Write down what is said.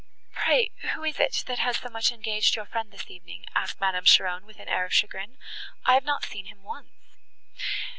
"Pray, who is it, that has so much engaged your friend this evening?" asked Madame Cheron, with an air of chagrin, "I have not seen him once."